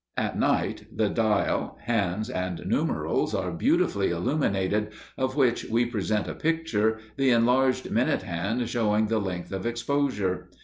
At night, the dial, hands, and numerals are beautifully illuminated, of which we present a picture, the enlarged minute hand showing the length of exposure.